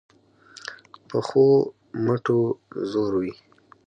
پخو مټو زور وي